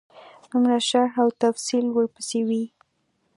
دومره شرح او تفصیل ورپسې وي.